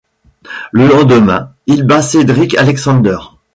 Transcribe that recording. Le lendemain, il bat Cedric Alexander.